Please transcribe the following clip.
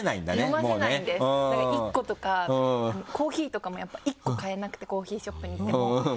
読ませないんですだから１個とかコーヒーとかも１個買えなくてコーヒーショップに行っても。